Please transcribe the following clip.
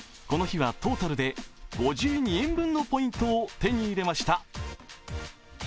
この日は、トータルで５２円分のポイントを手に入れました。